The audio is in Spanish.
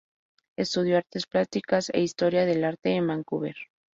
Estudió Artes Plásticas e Historia del Arte en Vancouver.